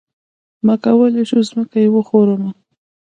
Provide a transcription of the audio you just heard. ما کولی شو ځمکه يې وخورمه.